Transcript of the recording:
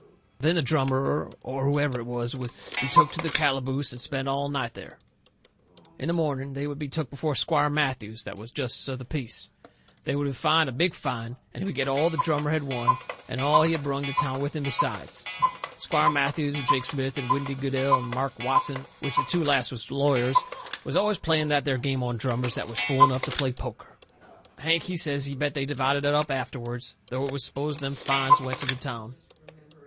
Then the drummer, or whoever it was, would be took to the calaboose, and spend all night there. In the morning they would be took before Squire Matthews, that was justice of the peace. They would be fined a big fine, and he would get all the drummer had won and all he had brung to town with him besides. Squire Matthews and Jake Smith and Windy Goodell and Mart Watson, which the two last was lawyers, was always playing that there game on drummers that was fool enough to play poker. Hank, he says he bet they divided it up afterward, though it was supposed them fines went to the town.